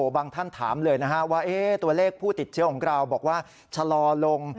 ท่านถามเลยนะฮะว่าตัวเลขผู้ติดเชื้อของเราบอกว่าชะลอลง